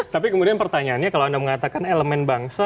tapi kemudian pertanyaannya kalau anda mengatakan elemen bangsa